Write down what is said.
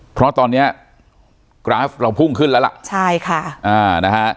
เพราะตอนเนี้ยกราฟเราพุ่งขึ้นแล้วล่ะใช่ค่ะอ่านะฮะ